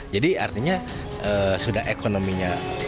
jadi artinya sudah ekonominya rendah